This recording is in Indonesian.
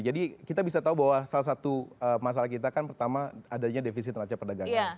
jadi kita bisa tahu bahwa salah satu masalah kita kan pertama adanya defisi tenaga perdagangan